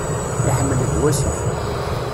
Iḥmel-d wasif.